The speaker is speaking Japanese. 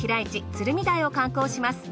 鶴見台を観光します。